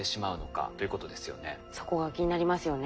そこが気になりますよね。